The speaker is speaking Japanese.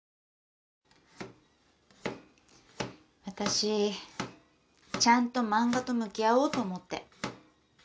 私ちゃんと漫画と向き合おうと思って。